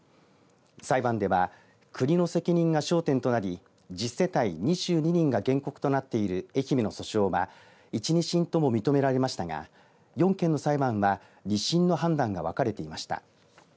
裁判では国の責任が焦点となり１０世帯２２人が原告となっている愛媛の訴訟は１、２審とも認められましたが４件の裁判は、２審の判断が分かれていました。